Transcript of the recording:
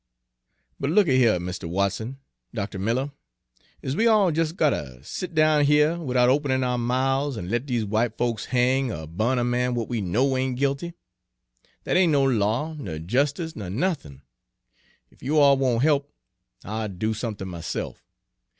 "But look a here, Mr. Watson, Dr. Miller, is we all jes' got ter set down here, widout openin' ou' mouths, an' let dese w'ite folks hang er bu'n a man w'at we know ain' guilty? Dat ain't no law, ner jestice, ner nothin'! Ef you all won't he'p, I'll do somethin' myse'f!